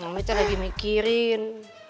mami tadi lagi mikirin